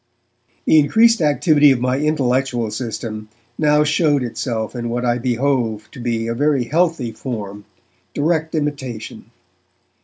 The increased activity of my intellectual system now showed itself in what I behove to be a very healthy form, direct imitation.